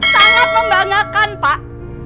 sangat membanggakan pak